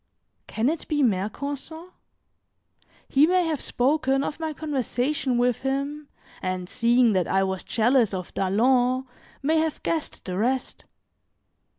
Can it be Mercanson? He may have spoken of my conversation with him, and seeing that I was jealous of Dalens, may have guessed the rest.